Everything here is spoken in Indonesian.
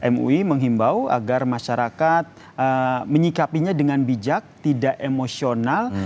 mui menghimbau agar masyarakat menyikapinya dengan bijak tidak emosional